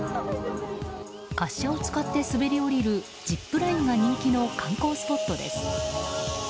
滑車を使って滑り降りるジップラインが人気の観光スポットです。